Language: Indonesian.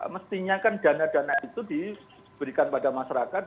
mestinya kan dana dana itu diberikan pada masyarakat